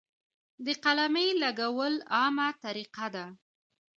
د قلمې لګول عامه طریقه ده.